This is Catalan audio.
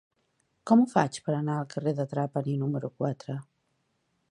Com ho faig per anar al carrer de Trapani número quatre?